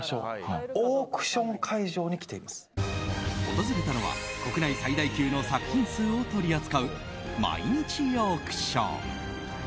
訪れたのは国内最大級の作品数を取り扱う毎日オークション。